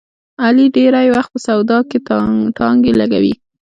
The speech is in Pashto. علي ډېری وخت په سودا کې ټانګې لګوي.